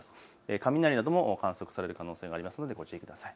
雷なども観測される可能性がありますのでご注意ください。